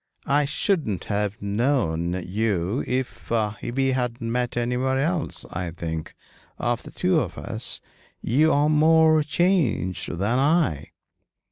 'I shouldn't have known you if we had met anywhere else. I think, of the two of us, you are more changed than I.'